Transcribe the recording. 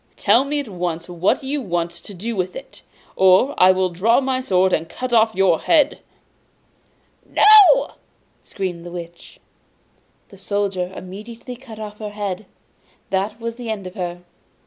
'Tell me at once what you want to do with it, or I will draw my sword, and cut off your head!' 'No!' screamed the Witch. The Soldier immediately cut off her head. That was the end of her!